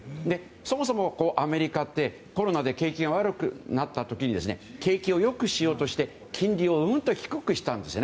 そもそも、アメリカってコロナで景気が悪くなった時に景気を良くしようとして金利をうんと低くしたんです。